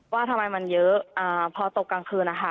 ว่าทำไมมันเยอะพอตกกลางคืนนะคะ